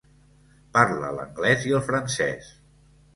Parla l'anglès i el francès.